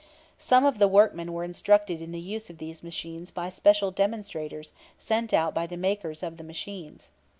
Some of the workmen were instructed in the use of these machines by special demonstrators sent out by the makers of the machines.